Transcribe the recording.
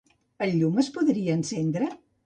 El llum es podria encendre?